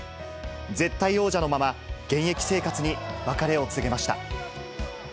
絶対王者のまま、現役生活に別れを告げました。